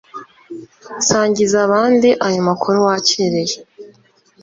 sangiza abandi ayo makuru wakiriye